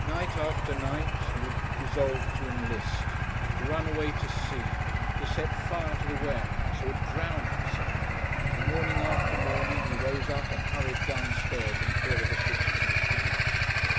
Night after night he would resolve to enlist, to run away to sea, to set fire to the warehouse, or drown himself; and morning after morning he rose up and hurried downstairs in fear of a sixpenny fine.